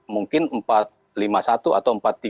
mungkin empat lima satu atau empat tiga tiga